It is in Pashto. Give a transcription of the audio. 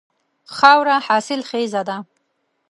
خاوره حاصل خیزه ده.